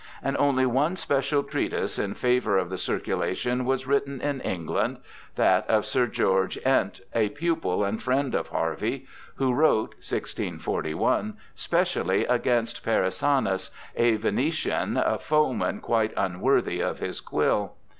And only one special treatise in favour of the circula tion was written in England— that of Sir George Ent, a pupil and friend of Harvey, who wrote (1641) specially against Parisanus, a Venetian, a foeman quite unworthy of his quill.